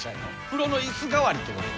風呂の椅子代わりってこと？